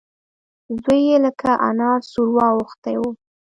زوی يې لکه انار سور واوښتی و.